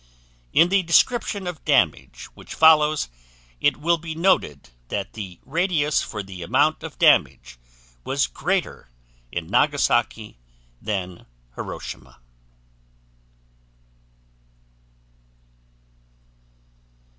In the description of damage which follows, it will be noted that the radius for the amount of damage was greater in Nagasaki than Hiroshima.